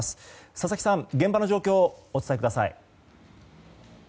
佐々木さん、現場の状況をお伝えください。